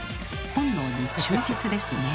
「本能に忠実ですね」。